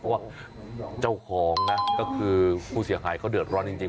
เพราะว่าเจ้าของนะก็คือผู้เสียหายเขาเดือดร้อนจริง